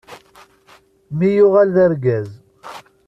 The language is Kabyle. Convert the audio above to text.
Mmi yuɣal d argaz.